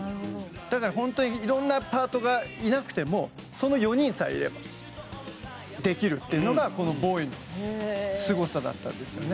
だから本当に色んなパートがいなくてもその４人さえいればできるっていうのがこのＢＯＷＹのすごさだったんですよね。